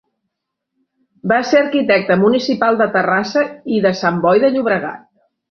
Va ser arquitecte municipal de Terrassa i de Sant Boi de Llobregat.